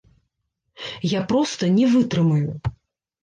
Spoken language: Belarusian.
Я проста не вытрымаю.